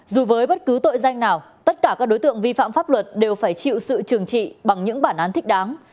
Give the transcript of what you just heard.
dù với bất cứ tội danh nào tất cả các đối tượng vi phạm pháp luật đều phải chịu sự trừng trị bằng những bản án thích đáng